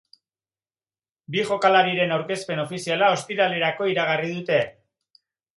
Bi jokalarien aurkezpen ofiziala ostiralerao iragarri dute.